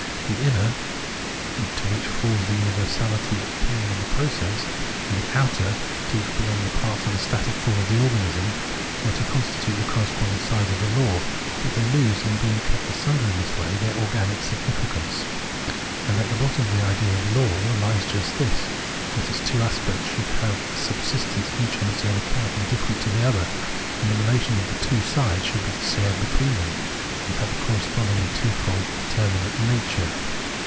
The inner, to which falls the universahty appearing in the process, and the outer, to which belong the parts of the static form of the organism, were to constitute the corresponding sides of the law, but they lose, in being kept asunder in this way, their organic significance. And at the bottom of the idea of law hes just this, that its two aspects should have a subsistence each on its own account indifferent to the other, and the relation of the two sides should be shared between them, and have a correspondingly twofold determinate nature.